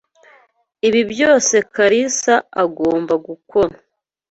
Ibi byose Karasira agomba gukora.